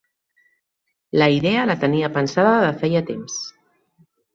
La idea la tenia pensada de feia temps.